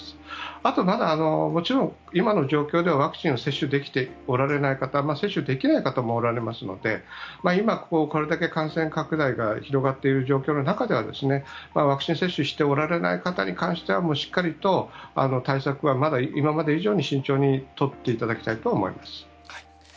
あと、まだもちろん今の状況ではワクチンを接種できておられない方接種できない方もおられますので今、これだけ感染拡大が広がっている状況の中ではワクチン接種をしておられない人に関してはしっかりと対策は今まで以上に慎重に取っていただきたいと思います。